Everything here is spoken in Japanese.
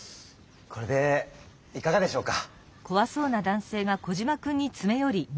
これでいかがでしょうか？